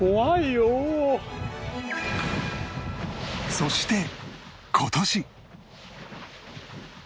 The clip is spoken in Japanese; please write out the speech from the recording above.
そして今年